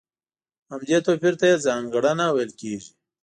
همدې توپير ته يې ځانګړنه ويل کېږي.